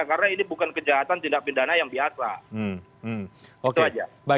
karena ini bukan kejahatan tindak pidana yang biasa